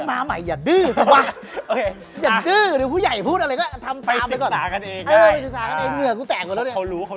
ล้มมาใหม่อย่าดึ้สักวะ